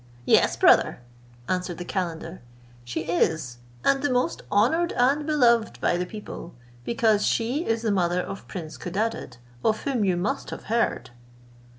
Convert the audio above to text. "Yes, brother," answered the calender, "she is, and the most honoured and beloved by the people, because she is the mother of prince Codadad, of whom you must have heard."